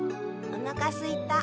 おなかすいた。